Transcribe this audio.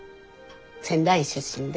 仙台出身で。